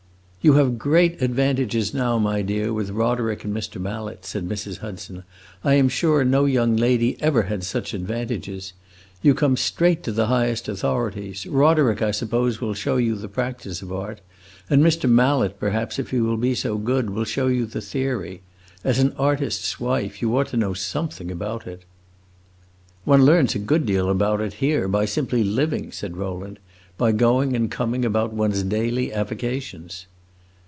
"You have great advantages, now, my dear, with Roderick and Mr. Mallet," said Mrs. Hudson. "I am sure no young lady ever had such advantages. You come straight to the highest authorities. Roderick, I suppose, will show you the practice of art, and Mr. Mallet, perhaps, if he will be so good, will show you the theory. As an artist's wife, you ought to know something about it." "One learns a good deal about it, here, by simply living," said Rowland; "by going and coming about one's daily avocations."